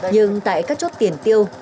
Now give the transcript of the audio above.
nhưng tại các chốt tiền tiêu